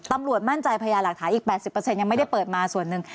ตำรวจมั่นใจพญาหลักฐานอีก๘๐ยังไม่ได้เปิดมาส่วนหนึ่ง